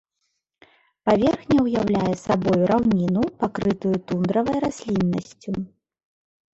Паверхня ўяўляе сабою раўніну, пакрытую тундравай расліннасцю.